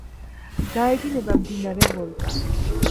გაედინება მდინარე ვოლგა.